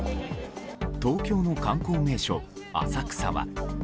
東京の観光名所・浅草は。